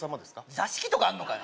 座敷とかあるのかよ